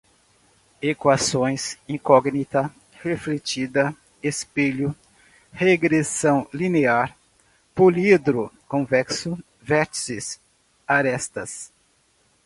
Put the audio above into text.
Equações, incógnita, refletida, espelho, regressão linear, poliedro convexo, vértices, arestas